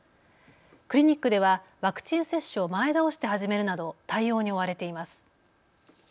クリニックではワクチン接種を前倒して始めるなど対応に追われています。